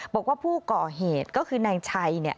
บอกว่าผู้ก่อเหตุก็คือนายชัยเนี่ย